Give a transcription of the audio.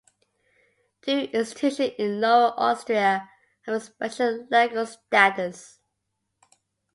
Two institutions in Lower Austria have a special legal status.